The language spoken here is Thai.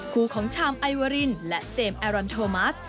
คู่ของชามไอวารินและเจมสแอรอนโทมัส